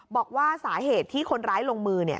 บอกว่าสาเหตุที่คนร้ายลงมือเนี่ย